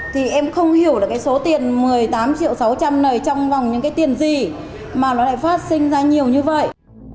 thì em không hiểu được cái số tiền một mươi tám triệu sáu trăm linh này trong vòng những cái tiền gì mà nó lại phát sinh ra nhiều như vậy